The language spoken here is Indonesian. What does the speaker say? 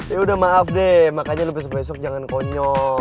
ya udah maaf deh makanya lebih besok jangan konyol